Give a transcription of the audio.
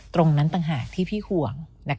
ตรงนั้นต่างหากที่พี่ห่วง